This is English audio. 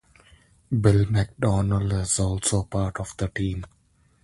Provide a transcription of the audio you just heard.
Bill Mcondald is also part of the team.